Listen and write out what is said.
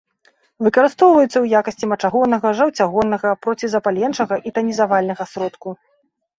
Выкарыстоўваюцца ў якасці мачагоннага, жаўцягоннага, процізапаленчага і танізавальнага сродку.